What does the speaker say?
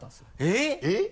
えっ？